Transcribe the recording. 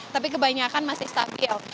tapi kebanyakan masih stabil